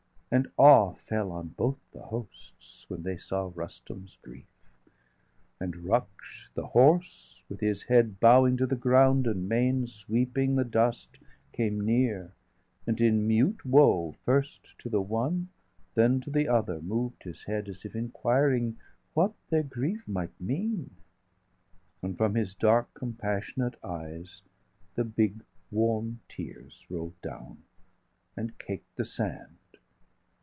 And awe fell on both the hosts, When they saw Rustum's grief; and Ruksh, the horse, 730 With his head bowing to the ground and mane Sweeping the dust, came near, and in mute woe First to the one then to the other moved His head, as if inquiring what their grief Might mean; and from his dark, compassionate eyes, 735 The big warm tears roll'd down, and caked° the sand.